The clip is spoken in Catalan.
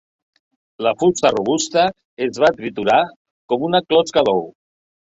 La fusta robusta es va triturar com una closca d'ou.